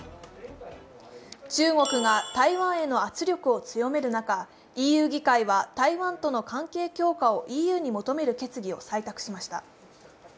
中国が台湾への圧力を強める中、ＥＵ議会は台湾との関係強化をＥＵに求める決議を採択しました。